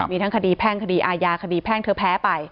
มีทั้งคดีแพ่งคดีอาญาคดีแพ่งเธอแพ้ไป